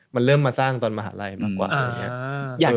มันเริ่มมาสร้างตอนมหาลัยมากกว่าอย่างนี้